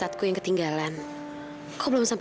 bukan gua dengan buat mereka